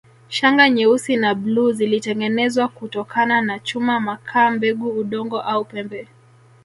Shanga nyeusi na bluu zilitengenezwa kutokana na chuma makaa mbegu udongo au pembe